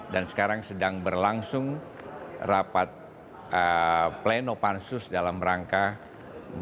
sekarang sedang berlangsung rapat pleno pansus dalam rangka penyelidikan